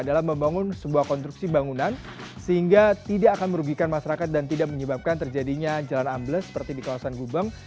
dalam membangun sebuah konstruksi bangunan sehingga tidak akan merugikan masyarakat dan tidak menyebabkan terjadinya jalan ambles seperti di kawasan gubeng